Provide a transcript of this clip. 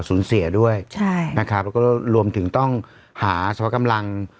เสียด้วยใช่นะครับแล้วก็รวมถึงต้องหาเฉพาะกำลัง